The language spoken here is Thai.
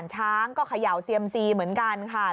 แล้วก็แอบนึง๒๓คำสมมุติ